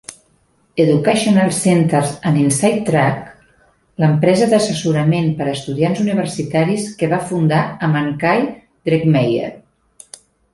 Educational Centers and InsideTrack, l'empresa d'assessorament per a estudiants universitaris que va funda amb en Kai Drekmeier.